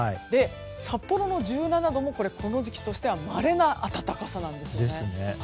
札幌の１７度もこの時期としてはまれな暖かさなんですね。